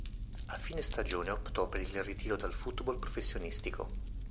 A fine stagione optò per il ritiro dal football professionistico.